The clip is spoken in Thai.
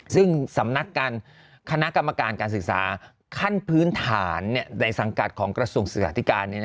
ซึ่งสำนักการคณะกรรมการการศึกษาขั้นพื้นฐานในสังกัดของกระทรวงศึกษาธิการ